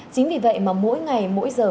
chính vì vậy mà mỗi ngày mỗi giờ